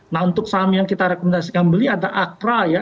nah untuk saham yang kita rekomendasikan beli ada akra ya